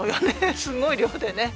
すごい量でね。